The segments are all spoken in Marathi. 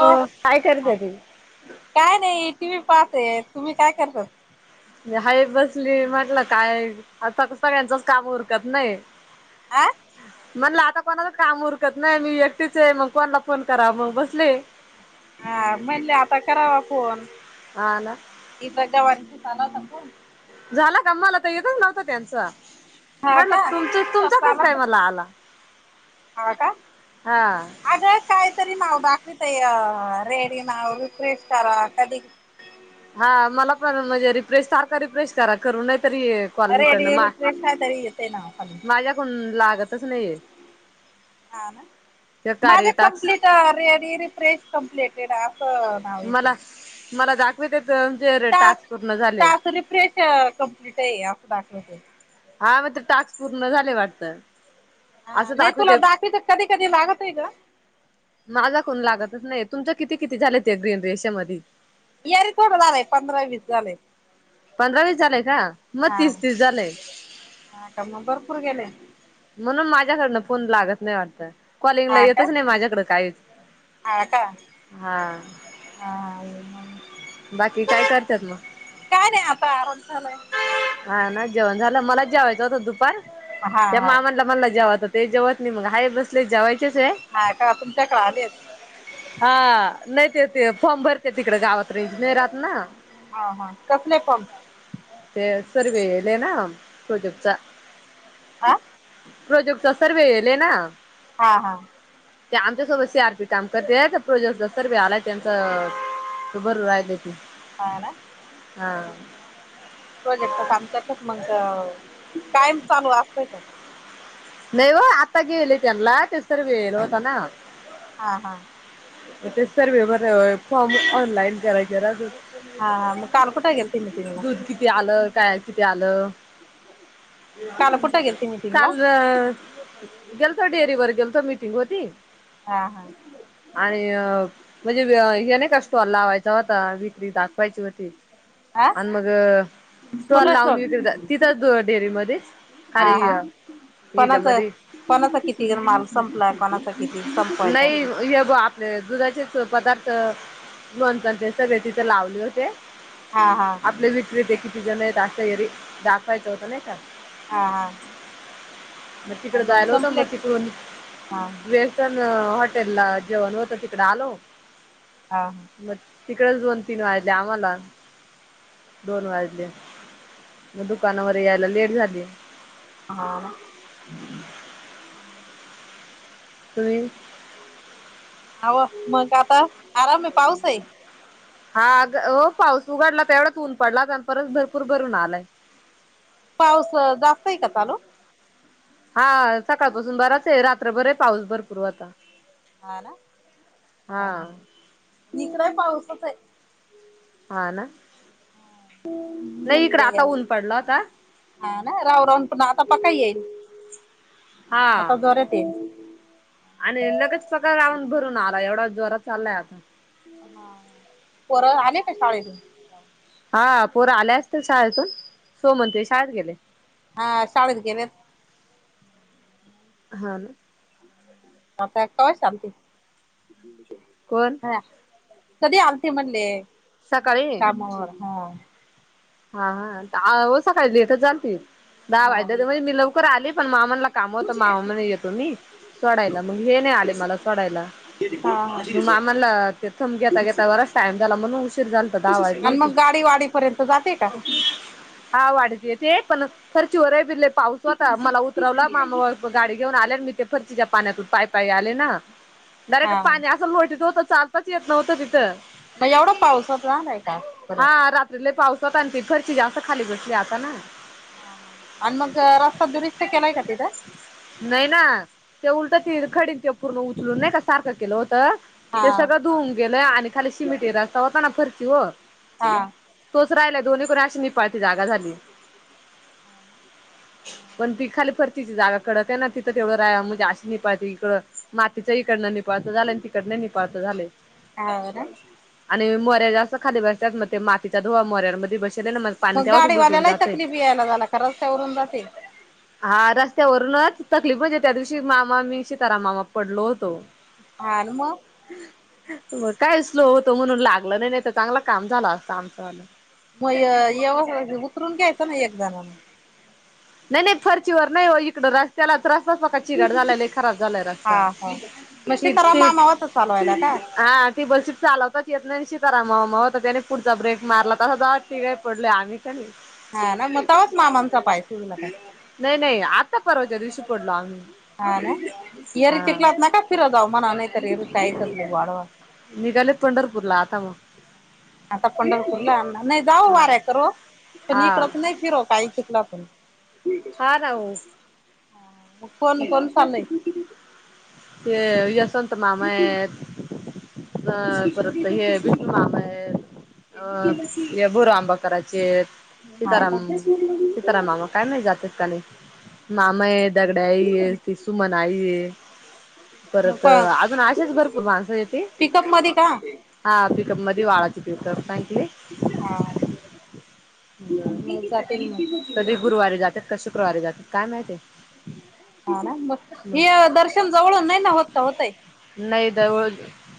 हो काय करते ती? काय नही, टी व्ही पाहतये. तुम्ही काय करता? हाये बसली, म्हटलं काय आता सगळ्यांचच काम उरकत नही. आ [inaudible] म्हणललं आता कोणाचंच काम उरकत नही, मी एकटीचये, मग कोणला फोन करावं, मग बसले. हा म्हणले आता करावा फोन. हा ना [unintelligible] इथं गवांचाच आला होता फोन. झाला का? मला तर येतच नव्हता त्यांचा. हा म्हणलं का तुमचं तुमचा कसा चाला काय मला आला. हा का, हा. अगं काहितरी नाव दाखवितंय, अं रेडी नाव रिक्रेश करा. कधी हा मला पण म्हणजे रिफ्रेश, सारखा रिफ्रेश करा करूनही तरी कॉल इकडनं रेडिओ रिफ्रेश काय तरी येतंय नाव खालून. फोन लागतच नहीये हा ना कार्य माझ्या कमप्लीट टास्क रे रे रिफ्रेश कमप्लेटेड असं नाव येते मला मला दाखवितेत, जे रे टास्क पूर्ण झाले तू रिफ्रेश कंप्लीट आहे असं दाखवतंय. हा मग ते टास्क पूर्ण झाले वाटतं. हा असं नाही दाखविते तुला दाखवीते, कधी कधी लागत नाही गं. माझाकून लागतच नाही. तुमचे किती किती झाले ते ग्रीन रेषे मधी? यार लई थोडं झालंय, पंधरा वीस झालंय. पंधरा वीस झालंय का, म हा तीस तीस झालंय. हा का मग भरपूर गेलंय. म्हणून माझ्याकडनं फोन लागत नाही वाटतं. कॉलिंग ला हा का येतच नाही माझ्याकडे काहीच. का हा हा हा येईल मग. बाकी काय करत्यात मंग? काय नाही आता आराम चालू हाये. हा ना जेवण झालं? मला जेवायचं होतं दुपार, हा त्या हा मामाला म्हणलं जेवा तर ते जेवत नही मग, हाय बसले जेवा यचेचये. हां का तुमच्याकडं आले हेत हा नाही ते ते फॉर्म भरते, तिकडं गावात रेंज नाही राहत ना. हा हा कसले फॉर्म? ते सर्वे येयेलेना प्रजपचा हा प्रोजेक्टचा सर्वे येयेल ना हा हा ते आमच्यासोबत सी आर पी काम करतेये, तर प्रोजेक्टचा सर्वे आलाय त्यांचा भरू राह्यले ते हा. प्रोजेक्टचं काम करतात मंग कायम चालू असतंय का? नही वो आता घेयेल त्यांला, ते सर्वे येयेल होता ना. हा हा ते सर्वे वर फॉर्म ऑनलाईन करायचे राहतात हा हा ना. मग काल कुठे गेलती [unintelligible] मिटिंगला बोल की. त्यालं काय किती आलं कुठ गेलती मटिंगला? ह अअ गेलतो डेअरी वर गेलतो मीटिंग होती हा हा. [unintelligible] म्हणजे वेअ हे नी का स्टाॅल लावायचा होता विक्री दाखवायची होती. आ आन मग स्टॉल लावून विक तिथंच डेअरीमध्येच अरेय कोणाचा कोणाचा किती जर माल संपलाय कोणाचा किती संपवायचाय [unintelligible] ते दुधाचेच पदार्थ लोणचांचे सगळे तिथे लावले होते हा हा. आपले विक्रीेते किती जण आहेत असं एरी दाखवायचं होतं नाही का हा हा. मग तिकडें आणि जायला होत, संपले मग तिकडून हा वेळ पण, हॉटेला जेवण होत तिकडे आलो हा. म तिकडेच दोन, तीन वाजले आम्हाला दोन वाजले, मग दुकानावर यायला लेट झाली हा. [inaudible] तुम्ही आवं मग आता आराम ये. पाऊस ये. हा अग हो पाऊस उघडला, तर तेवढाच ऊन पडला आणि परत भरपूर भरून आलाय, पाऊस जास्त आहे का चालू? हा सकाळपासून बराचये, रात्रभर ये पाऊस भरपूर होता. हा ना, हा हा इकडेही पाऊसच ये. हा ना, नाही इकड म्हणले आता, ऊन पडला होता. हा ना, राहून, राहून पुन्हा आता पका येईल हा. आता जोरात येईल. आणि लगेच पका राहून भरून आला एवढा जोरात चालाय आता हा, पोरा आले का शाळेतून? हा पोरा आले असतील शाळेतून, सो म्हणते शाळेत गेले. हा शाळेत गेलेत. हा ना. आता काय शांती कोण? कधी आलते म्हणले सकाळी कामावर हा हा हा आवोज सकाळीच लेटच आलती दहा हा वाजले म्हणजे मी लवकर आली पण, मामानला काम होतं. मामा म्हणे येतो मी सोडायला मग हे नाही आले मला सोडायला. हा मग मामाला थंम घेता घेता बराच टाइम झाला म्हणून उशीर झालता दहा वाजले होते. पर्यंत जाते का? हा वाढतेयत. ते पण फर्चीवर लय फिरले पाऊस होता मला उतरवला मा गाडी घेऊन आले. मी ते फर्चीच्या पाण्यातून पाई पाई आले ना, डरेक्ट हा पाणी असं लोटीत होत. चालताच येत नव्हतं तिथं त एवढा पाऊसचं झालाय आहे का परंत. त लयी पाऊस होता, न ती फरची जास्त खाली बसली आता ना! हा हा आण मग रस्ता दुरुस्त केलाय का तिथं? नही ना ते उलट ती खडीन ते पूर्ण उचलून नाही का सारखं केलं होत. हा ते सगळं धुऊन गेलं आणि खाली शिमिट रस्ता होता ना फर्ची व हा तोच राहिलाय दोन्ही कुन अशी निपाळती जागा झाली. [unintelligible] राहते ना तिथं तेवढं राहा म्हणजे अशी निपाळते इकड. मातीच इकडनं निपाळत झालंय, आण तिकडन निपाळत झालंय. हो ना आणि मोऱ्या जास्त खाली बसत्यात म ते मातीचा धुवा मोऱ्यांमधी बसेल हे मग गाडीवाल्यालाही तकलीफ यायला जायला का रस्त्यावरून जाते. हा रस्त्यावरूनच तकलीफ म्हणजे त्या दिवशी मामा मी शितारामं मामा पडलो होतो. हा न मं! मं काय स्लो होतो म्हणून लागलं नाही, नाही त चांगलं काम झालं असतं आमच वालं. मग ये-येव ह उतरून घ्यायचं ना एक जनान. नही नही फर्चीवर नही ओ इकडं रसं त्यालाचं रस्ताच पका चिगाट झालाय लयी खराब झालाय रस्ता टीप टी चालू आहे ना का? टीबल सीट चालवताच येत नाही, न शिताराम मामा होता त्याने पुढचा ब्रेक मारला तसा जवा तिघय पडलोय आम्ही कणी. हा ना म तवाच मामांचा पाय सुजला काय? नही नही आता परवाच्या दिवशी पडलो आम्ही. हा ना येरी हा चिकलात नका फिरत जाऊ म्हणा नहितर [unintelligible] निघाले पंढरपूरला आता म. आता पंढरपूरला नही जाऊ हा वाऱ्या करु, पण हा इकडं नही फिरो काही चिकलातून. हां राहूं! मं कोण, कोण चालंय? ते येसवंत मामा हेत. अ परत हे विष्णू मामा हेत, अ हे भुरआंबा कराचेत हा सीताराम, का सीताराम मामा काय माहित जातेत का नही. मामा ये, दगड्याई ये, ती सुमन आई, हे. मग परत कोण अजून आशेच भरपूर माणसं ये ती. पिकअप मध्ये का हा पिकअप मधी, वाळाची पिकअप सांगितली. हा! मग जातील मग [unintelligible] कधी गुरवारी जात्यात का, शुक्रवारी जात्यात काय माहिती? हा ना म मग हे दर्शन जवळून नाही ना होत, का होतय? नही जवळ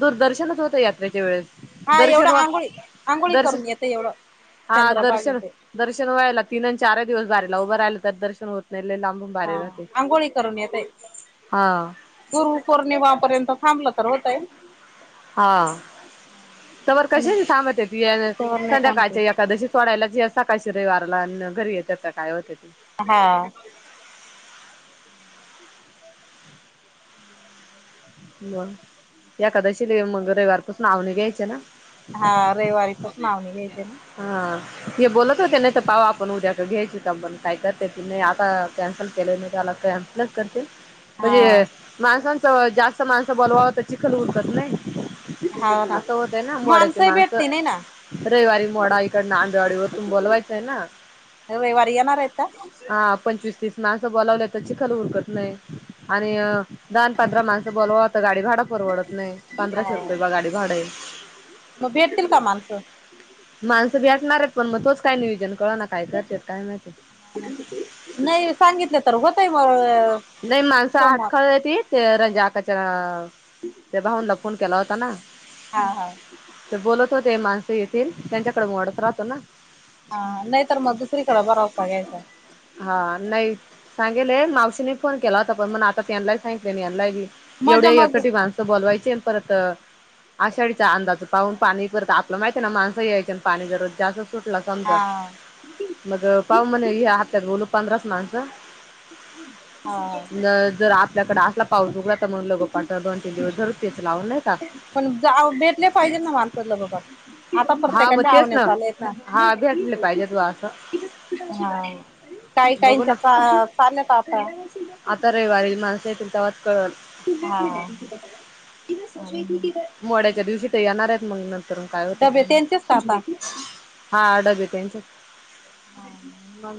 दूरदर्शनच होतं यात्रेच्या वेळेस. हा एवढं दर्शन वा आंघोळी-आंघोळी दर्शन करून येतय एवढं हा चंद्रभागे दर्शन ते. दर्शन व्हायला तीन अन चारअ दिवस बारीला उभं राहिलं तर दर्शन होत नही लई लांबून हा बारी राहते आंघोळी करून येतय. हा गुरु पौर्णिमापर्यंत थांबलं तर होतय. हा तवर पण कशाची थांबते ती ये तवर नाही थांबते. संध्याकाळच्या एकादशी सोडायला जे सकाळशी रविवारला न घरी येत्यात का काय होत्याती. हा! [inaudible] मं एकादशी ला येऊन मंग रविवारपसन आवनी घ्यायची ना? हा, रविवारी [unintelligible] घ्यायचे ना? हा! हे बोलत होते नई तर पाहू आपण उद्या घ्यायची का, बंद काय करतेत की नै आता कॅन्सल केले नी त्याला कॅन [unintelligible] करतील.. म्हणजे, हा माणसांचं, जास्त माणसं बोलवावं तर चिखल उरकत नाय. हा ना आसं होतंय ना, मोड्याची माणसंही माणसं भेटती नाही ना रविवारी ओडा इकडनं, आंबेवाडीवरतून बोलवायचाय ना. रविवारी येणार आहेत का? आ पंचवीस तीस माणसं बोलावले तर चिखल उरकत नाय. आणि धा न पंदरा माणसं बोलवावं तर गाडी भाडं परवडत नाय. हा पंदराशे रुपये गाडी भाडंय. मग भेटतील का माणसं? माणसं भेटणारयत पण मग तोच काय नियोजन कळंना, काय करतेत काय माहिती. नाई सांगितलं तर होतंय म लई माणसं आटखळल्याती, ते रंजा आक्काच्या, ते भावांला फोन केला होता ना. ते हा हां. ते बोलत होते माणसं येतील. त्यांच्याकडे मोडत राहतो ना. हा, नाय तर मग दुसरीकडं भरवसा घ्यायचा. हा. नाही, सांगेले मावशीने फोन केला होता पण मग आता त्यांलाई सांगितलंय आन यांला बी. मजा एवढे मग एकखटी माणसं बोलवायचे आणि परत- आषाढीचा अंदाज पाहून पाणी परत आपलं माहितीय ना, माणसं यायचे आणि पाणी गरज जास्त सुटला समजा, हा मग पाहू म्हणे ह्या हप्त्यात बोल पंधराचं माणसं, हा जर आपल्याकडं असला पाऊस उघडा तं मग, लगोपाट दोन तीन दिवस धरू तेच लावून, नाही का? पण जा भेटले पाहिजे ना माणसं लगोपाट. फ आता हा मग प्रत्येकाच्या तेच अवण्या चालू आहेत ना. हा भेटले पाहिजे तू असं हा. काई बघू काईंच्या ना चा चाल्यात आता. आता रविवारी माणसं येतील, तव्हाच कळंल. हा. अन मोड्याच्या दिवशी तं येणारयत, मग नंतर काय होतं डबे काय माहित. त्यांचेच का आता? हा, डबे त्यांचेच. हा. मग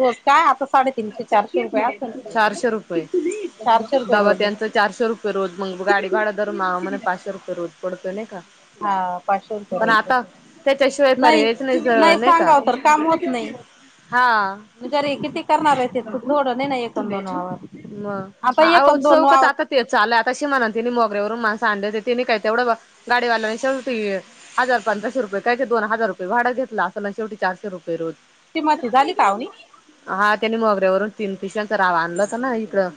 रोज का? आता साडे तीनशे चारशे रुपयं आसंन. चारशे रुपये चारशे रुपयं डबा रोजयं. त्यांचं चारशे रुपये रोज मग गाडी भाडं धरून मग म्हणे पाचशे रूपयं रोज. पडतोय नाही का हा, पाचशे रुपय पण रोज. आता बरोबर. त्याच्याशिवाय नाई, पर्यायच नाही नाई नाही का सांगाव तर काम होत नाई. हा! जरी किती करणारयं ते तू, थोडं दे ना, एक न दोन वावर. मग. आता आवं एकन दोन चौगच वावर आता ते चाल आता अशी म्हणा तं तिनी मोगऱ्यावरून माणसं आणलीवती, तिनी काय तेवढं, गाडीवाल्याला शेवटी हजार पंदराशे रुपयं, काय ते दोन हजार रुपयं भाडं घेतलं आसंन न शेवटी चारशे रुपयं रोज. तिमाची झाली का अवनी? हा त्यांनी मोगऱ्यावरून तीन पिशव्यांचा राव आणलं होत ना हिकडं.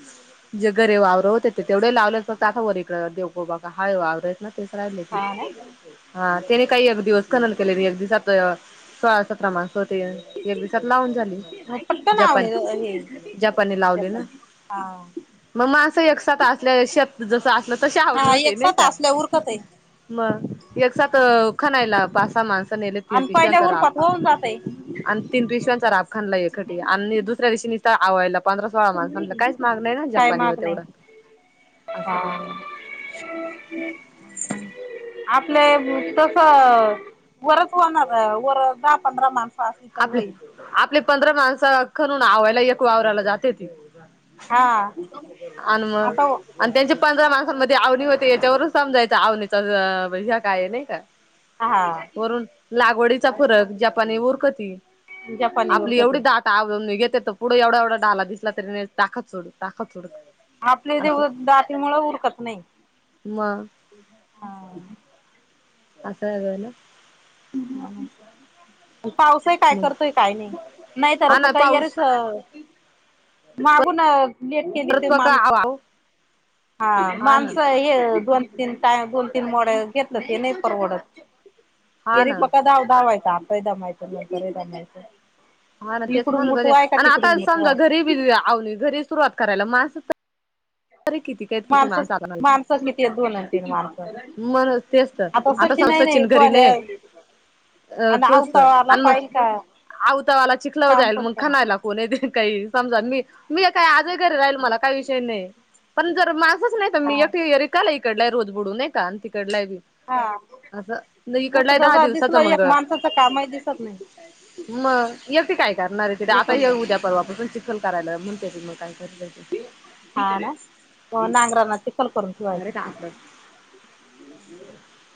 जे घरी वावरं होते ते तेवढे लावले मग आताा वरकडे देवकोबा का हाय वावरं. तेच राहिलं की. हा ना. हा, त्यानी काय एक दिवस कणन की लगी एक दिवसात सोळा सतरा माणसं हो ते एक दिवसात लावून झाली पटकन जपान आवणे हे जपानी लावली ना. जपान हा. म मा असं एक साथ असल्या श जस असलं तशी आवडी हा होते नाही एकसाथ का. असल्या उरकत आहे म एक सात खनायला पासा माणसा नेले तीन आणि पहिल्या पिशव्यांचा राग. उरपात होऊन जातय अन् तीन पिशव्यांचा राब खनला एकखटी आणि दुसऱ्या दिवशी नीस्त आवा्हायला पंधरा सोळा म्हलं काहीच माग नाही ना काय जपानी हो ते एवढं असं. हम. आपलं तस वरच होणार आहे वरच दहा पंधरा माणसं अशी आपले आपले पंधरा माणस खणून आवयला एक वावराला जातेती. हा आन म आता आणि त्यांची पंधरा माणसांमध्ये आवनी होते याच्यावरून समजायचं आवनीच ह्य काय नाही का. आ हा. करून लागवडीचा फरक जपानी उरकती जपानी आपली उरकत एवढी दा त घेते तर पुढे एवढा एवढा ढाला दिसला तरी ताखत सोड ताकत सोड. आपले ते दातीमुळं उरकत नाही मग ह. असं आहे ग ना. हा. पावसही काय मग करतोय काही नाही नाही तर हा ना फ का पाऊस यारच मागून लेट केली परत ते प का माणस आव हा माणसं. ते दोन तीन टाय दोन तीन मोडे घेतलं ते नाही परवडत. हा गरी ना फकत दव धवायचं आतही धमायचं नंतरही दमायचं. हा ना तेच इकडून म्हणत मुठू होते आहे का आणि तिकडून आता मुठू समजा आहे घरी बीव घरी सुरुवात करायला माणस तर अरे किती काय किती माणसं माणसला माणसं किती आहेत दोन आणि तीन माणसं मण तेच. आता सचिन आहे संस्सचिन घरी गोल्या नाही. अ आणि तोचत आवताला आणि मग पाहिल का आवतावाला चिखला काम जायल पण मग करत खानायला कोण ते काही समजा मी मी काही आजही घरी राहील मला काही विषय नाही. पण जर माझंच नाही हा मी एक रिकाला इकडला रोज बुडूनय का आणि तिकडला आहे बी. हा असं मोठ इकडलाय दहा ज दिवसाचा दिसल एक मंगळ माणसाचं कामही दिसत नाही. म एकटी काय करणार आहे तिथे आता येऊ एकंदर उद्या परवा आपण पण चिखल करायला म्हणते ती मग काय कर. हा ना म नांगराना चिखल करून ठेवायचा. आग. [inaudible]